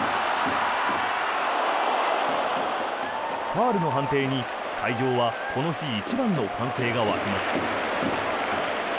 ファウルの判定に、会場はこの日一番の歓声が湧きます。